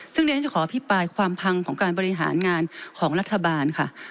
ซึ่งเดี๋ยวฉันจะขออภิปรายความพังของการบริหารงานของรัฐบาลค่ะ